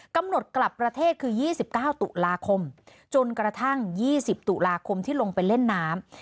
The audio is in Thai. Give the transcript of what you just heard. กำหนดกลับประเทศคือ๒๙ตุลาคมจนกระทั่ง๒๐ตุลาคมที่ลงไปเล่นน้ำ